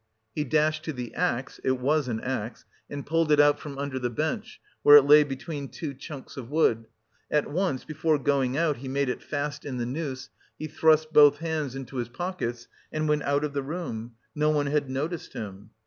He dashed to the axe (it was an axe) and pulled it out from under the bench, where it lay between two chunks of wood; at once, before going out, he made it fast in the noose, he thrust both hands into his pockets and went out of the room; no one had noticed him!